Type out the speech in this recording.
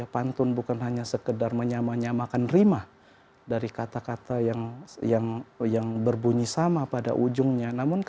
pantun bukan hanya sekedar menyamakan rimah dari kata kata yang berbunyi sama pada ujungnya